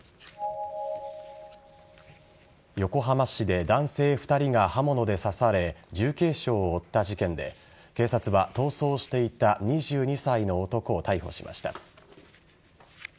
横浜市で男性２人が刃物で刺され重軽傷を負った事件で警察は、逃走していた２２歳の男を逮捕しました。